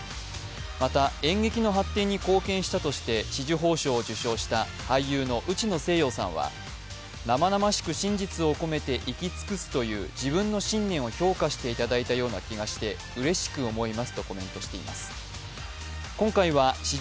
また、演劇の発展に貢献したとして紫綬褒章を受章した俳優の内野聖陽さんは、生々しく真実を込めて生き尽くすという自分の信念を評価していただいたような気がしてうれしく思いますとコメントしています。